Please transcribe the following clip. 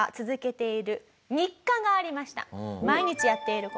毎日やっている事。